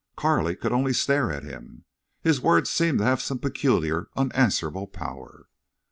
Carley could only stare at him. His words seemed to have some peculiar, unanswerable power.